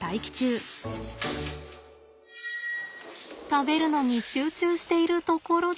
食べるのに集中しているところで。